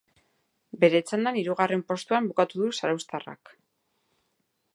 Bere txandan hirugarren postuan bukatu du zarauztarrak.